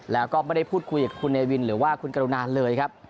แล้วก็ไม่ได้พูดคุยกับคุณเนวินหรือว่าคุณกรุณาเลยครับ